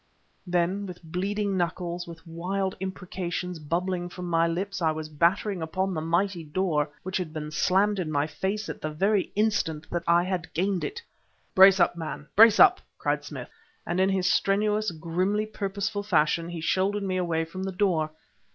Then, with bleeding knuckles, with wild imprecations bubbling from my lips, I was battering upon the mighty door which had been slammed in my face at the very instant that I had gained it. "Brace up, man! Brace up!" cried Smith, and in his strenuous, grimly purposeful fashion, he shouldered me away from the door.